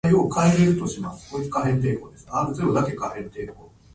私はご飯を食べる。